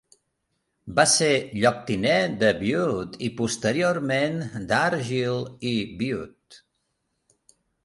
Va ser lloctinent de Bute i, posteriorment, d'Argyll i Bute.